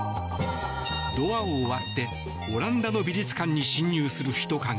ドアを割ってオランダの美術館に侵入する人影。